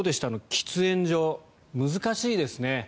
喫煙所、難しいですね。